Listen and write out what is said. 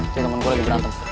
itu temen gue lagi berantem